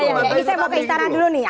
ya ini saya mau ke istana dulu nih